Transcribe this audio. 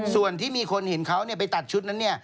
ส่วนที่มีคนเห็นเขาไปตัดชุดนั้น